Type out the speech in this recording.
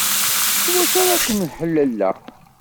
S wacu ara ken-ḥelleleɣ?